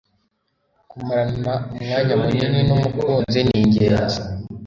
Kumarana umwanya munini n'umukunzi ningenzi